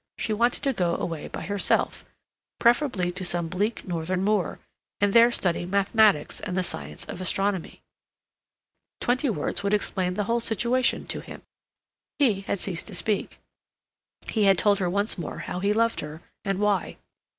She wanted to go away by herself, preferably to some bleak northern moor, and there study mathematics and the science of astronomy. Twenty words would explain the whole situation to him. He had ceased to speak; he had told her once more how he loved her and why.